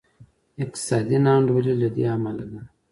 اقتصادي نا انډولي له دې امله ده.